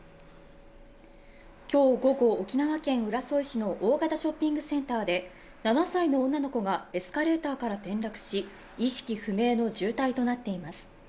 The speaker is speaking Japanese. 今日午後、沖縄県浦添市の大型ショッピングセンターで、７歳の女の子がエスカレーターから転落し意識不明の重体となっています。